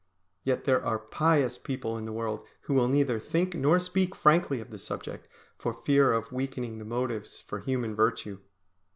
Yet there are pious people in the world who will neither think nor speak frankly of the subject, for fear of weakening the motives for human virtue.